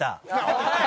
おい！